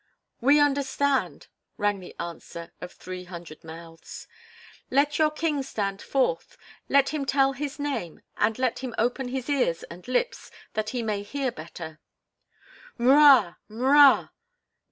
"We understand," rang the answer of three hundred mouths. "Let your king stand forth; let him tell his name and let him open his ears and lips that he may hear better." "M'Rua! M'Rua!"